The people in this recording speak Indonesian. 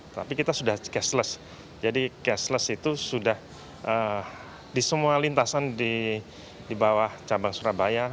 tapi kita sudah cashless jadi cashless itu sudah di semua lintasan di bawah cabang surabaya